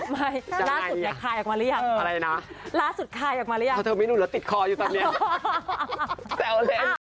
ไม่ล่าสุดใครออกมาหรือยังอะไรนะถ้าเธอไม่รู้แล้วติดคออยู่ตอนนี้แจ้วเล่น